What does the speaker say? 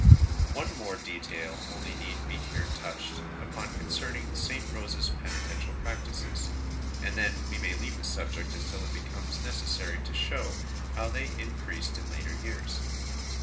One more detail only need be here touched upon concerning St. Rose s penitential practices, and then we may leave the subject until it becomes necessary to show how they increased in later years.